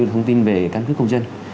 thông tin về căn cức công dân